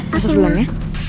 masuk duluan ya